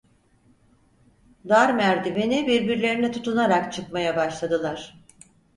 Dar merdiveni birbirlerine tutunarak çıkmaya başladılar.